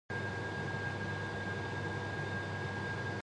A reviewer noted how he portrayed the different characters in voice and acting.